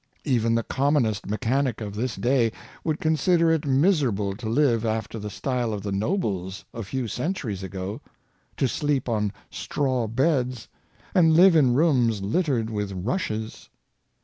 Even the commonest mechanic of this day would consider it miserable to live after the style of the nobles a few centuries ago — to sleep on straw beds, and live in rooms littered with rushes.